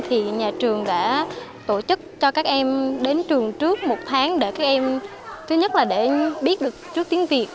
thì nhà trường đã tổ chức cho các em đến trường trước một tháng để các em thứ nhất là để biết được trước tiếng việt